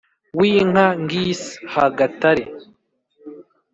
winka ngis ha gatare